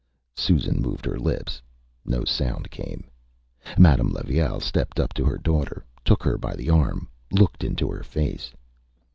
Â Susan moved her lips. No sound came. Madame Levaille stepped up to her daughter, took her by the arm, looked into her face.